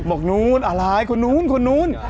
บอกนู้นอะไรคนนู้นคนนู้น